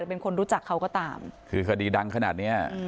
เป็นคนรู้จักเขาก็ตามคือคดีดังขนาดเนี้ย